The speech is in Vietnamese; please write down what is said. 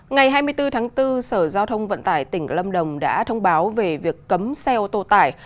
ngày hai mươi bốn tháng bốn sở giao thông vận tải tỉnh lâm đồng đã thông báo về việc cấm xe ô tô tải